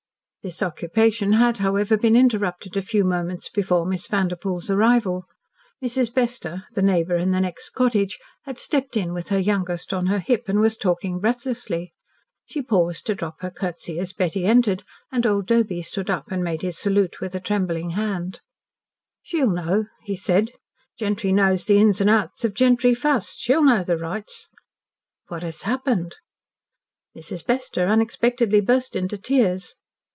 This occupation had, however, been interrupted a few moments before Miss Vanderpoel's arrival. Mrs. Bester, the neighbour in the next cottage, had stepped in with her youngest on her hip and was talking breathlessly. She paused to drop her curtsy as Betty entered, and old Doby stood up and made his salute with a trembling hand, "She'll know," he said. "Gentry knows the ins an' outs of gentry fust. She'll know the rights." "What has happened?" Mrs. Bester unexpectedly burst into tears.